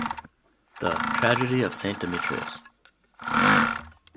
The "Tragedy of Saint Demetrios".